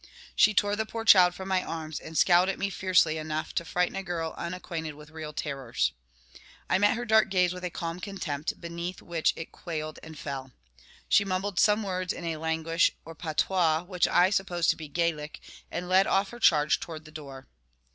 She tore the poor child from my arms, and scowled at me fiercely enough to frighten a girl unacquainted with real terrors. I met her dark gaze with a calm contempt, beneath which it quailed and fell. She mumbled some words in a language or patois, which I supposed to be Gaelic, and led off her charge towards the door.